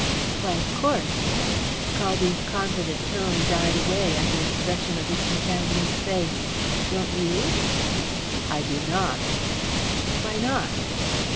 "Why, of course " Caldew's confident tone died away at the expression of his companion's face. "Don't you?" "I do not." "Why not?"